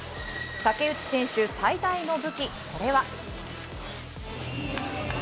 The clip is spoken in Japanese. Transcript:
竹内選手、最大の武器、それは。